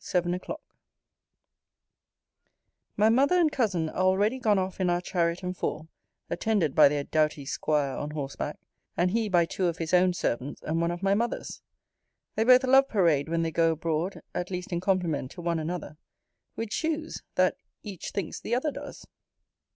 7 O'CLOCK My mother and cousin are already gone off in our chariot and four, attended by their doughty 'squire on horseback, and he by two of his own servants, and one of my mother's. They both love parade when they go abroad, at least in compliment to one another; which shews, that each thinks the other does.